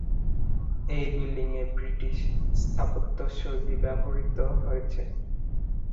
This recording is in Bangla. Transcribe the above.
এই বিল্ডিংয়ে ব্রিটিশ স্থাপত্যশৈলী ব্যবহৃত হয়েছে।